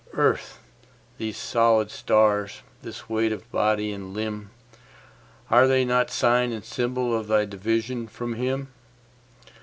Earth, these solid stars, this weight of body and limb, Are they not sign and symbol of thy division from Him?